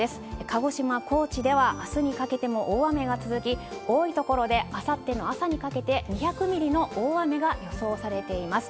鹿児島、高知ではあすにかけても大雨が続き、多い所で、あさっての朝にかけて、２００ミリの大雨が予想されています。